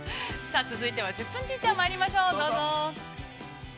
◆続いては「１０分ティーチャー」まいりましょう、どうぞ。